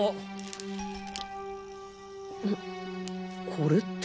これって